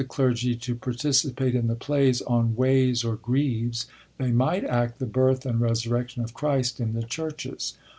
clergy to participate in the plays on * ways or greaves,' they might act the birth and resurrection of Christ in the churches.